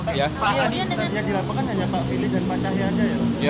pak adi yang dilakukan hanya pak fili dan pak cahya aja ya